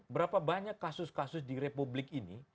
berapa banyak kasus kasus di republik ini